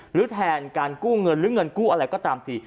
หรือแทนการกู้เงินหรือเงินกู้อะไรก็ตามที